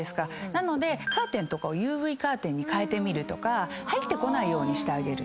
なのでカーテンをＵＶカーテンに替えるとか入ってこないようにしてあげる。